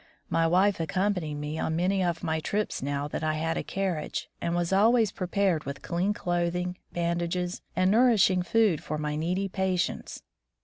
My wife accompanied me on many of my trips now that I had a carriage, and was always pre pared with clean clothing, bandages, and nourishing food for my needy patients.